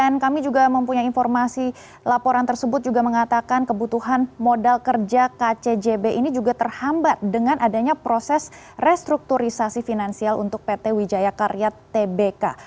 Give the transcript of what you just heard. dan kami juga mempunyai informasi laporan tersebut juga mengatakan kebutuhan modal kerja kcjb ini juga terhambat dengan adanya proses restrukturisasi finansial untuk pt wijayakarya tbk